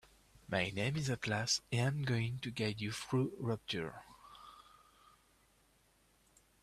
My name is Atlas and I'm going to guide you through Rapture.